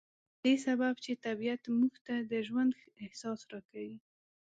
په دې سبب چې طبيعت موږ ته د ژوند احساس را کوي.